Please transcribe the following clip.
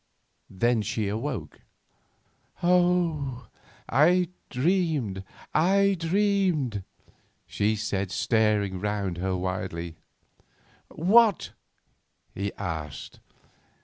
Then she woke. "Oh, I dreamed, I dreamed!" she said, staring round her wildly. "What?" he asked.